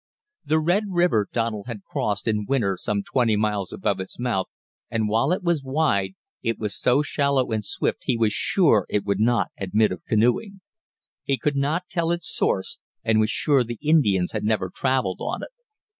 The Red River Donald had crossed in winter some twenty miles above its mouth, and while it was wide, it was so shallow and swift that he was sure it would not admit of canoeing. He could not tell its source, and was sure the Indians had never travelled on it.